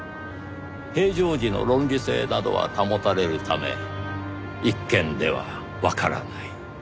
平常時の論理性などは保たれるため一見ではわからない。